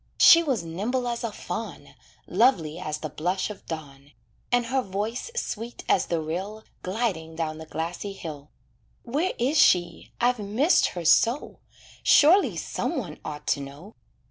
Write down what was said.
She was nimble as a fawn, Lovely as the blush of dawn, And her voice sweet as the rill Gliding down the grassy hill. Where is she, I've missed her so, Surely some one ought to know.